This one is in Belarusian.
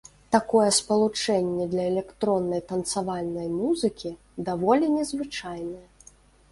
Такое спалучэнне для электроннай танцавальнай музыкі даволі незвычайнае.